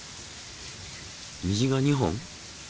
虹が２本？